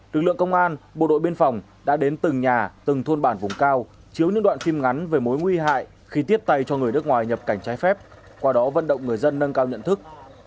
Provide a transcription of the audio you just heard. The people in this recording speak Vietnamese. lực lượng công an bộ đội biên phòng đã đến từng nhà từng thôn bản vùng cao chứa những đoạn phim ngắn về mối nguy hại khi tiếp tay cho người nước ngoài nhập cảnh trái phép qua đó vận động người dân nâng cao nhận thức